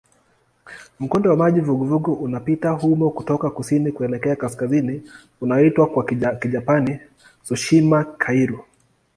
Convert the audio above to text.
Mkondo wa maji vuguvugu unapita humo kutoka kusini kuelekea kaskazini unaoitwa kwa Kijapani "Tsushima-kairyū".